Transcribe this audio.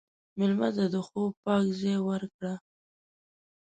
مېلمه ته د خوب پاک ځای ورکړه.